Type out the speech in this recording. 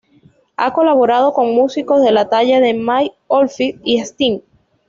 Ha colaborado con músicos de la talla de Mike Oldfield y Sting.